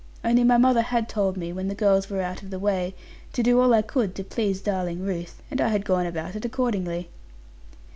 Only my mother had told me, when the girls were out of the way, to do all I could to please darling Ruth, and I had gone about it accordingly.